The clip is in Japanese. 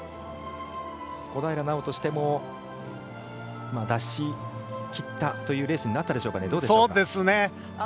小平奈緒としても出しきったというレースになったでしょうかね。